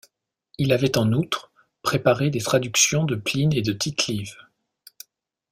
Il avait en outre préparé des traductions de Pline et de Tite-Live.